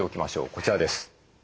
こちらです。